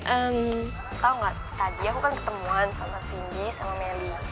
ehm tau gak tadi aku kan ketemuan sama cindy sama melly